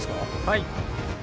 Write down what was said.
はい。